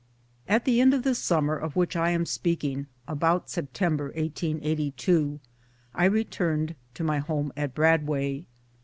At the end of the summer of which I am speaking about September 1882 I returned to my home at Bradway.